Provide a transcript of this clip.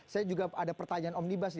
saya juga ada pertanyaan omnibus nih